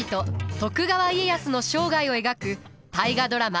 徳川家康の生涯を描く大河ドラマ